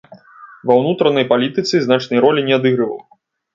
Ва ўнутранай палітыцы значнай ролі не адыгрываў.